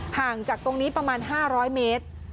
ห่างจากตรงนี้ประมาณ๕๐๐เมตร